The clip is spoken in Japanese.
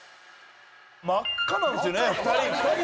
真っ赤なんですよね。